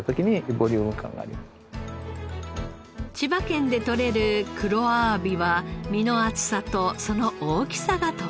千葉県で獲れる黒あわびは身の厚さとその大きさが特徴。